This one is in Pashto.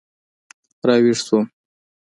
را ویښ شوم.